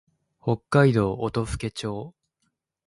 北海道音更町